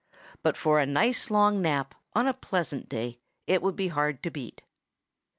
But for a nice long nap on a pleasant day, it would be hard to beat.